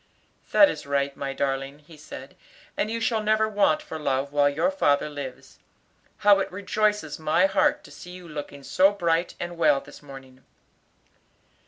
"That is right, my darling," he said, "and you shall never want for love while your father lives. How it rejoices my heart to see you looking so bright and well this morning."